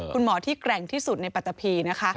คุณหมอที่แกร่งที่สุดในปัตตะพีนะคะ